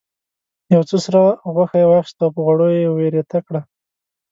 یو څه سره غوښه یې واخیسته او په غوړیو یې ویریته کړه.